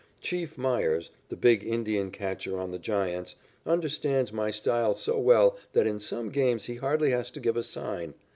"Chief" Meyers, the big Indian catcher on the Giants, understands my style so well that in some games he hardly has to give a sign.